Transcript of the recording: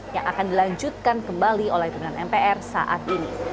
yang akan dilanjutkan kembali oleh pimpinan mpr saat ini